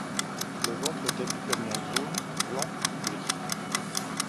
Le ventre est habituellement jaune, blanc ou gris.